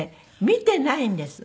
見ていないんです。